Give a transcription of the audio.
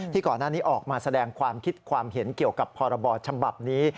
ก่อนหน้านี้ออกมาแสดงความคิดความเห็นเกี่ยวกับพรบฉบับนี้